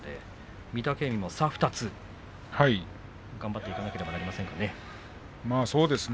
御嶽海も差２つ頑張っていかなくてはいけませんかね。